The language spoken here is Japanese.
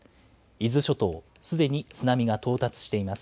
伊豆諸島、すでに津波が到達しています。